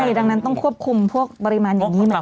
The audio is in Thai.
ใช่ดังนั้นต้องควบคุมพวกปริมาณอย่างนี้แบบนั้น